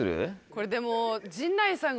これでも。